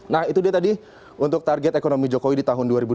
nah itu dia tadi untuk target ekonomi jokowi di tahun dua ribu dua puluh